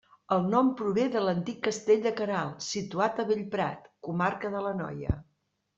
El nom prové de l'antic Castell de Queralt, situat a Bellprat, comarca de l'Anoia.